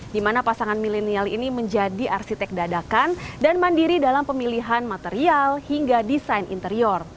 di mana pasangan milenial ini menjadi arsitek dadakan dan mandiri dalam pemilihan material hingga desain interior